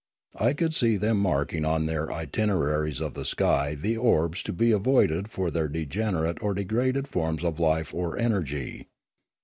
I could see them marking on their itineraries of the sky the orbs to be avoided for their degenerate or degraded forms of life or energy.